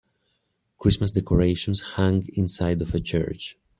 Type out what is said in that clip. Christmas decorations hang inside of a church